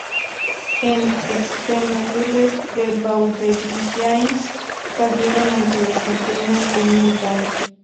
En "Extreme Rules", The Vaudevillains perdieron ante los campeones, The New Day.